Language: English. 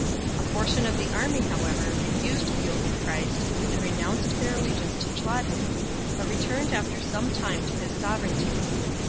A portion of the army however refused the yoke of Christ arid renounced their allegiance to Chlodwig, but returned after some time to his sove reignty.